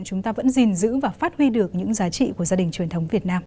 chúng ta vẫn gìn giữ và phát huy được những giá trị của gia đình truyền thống việt nam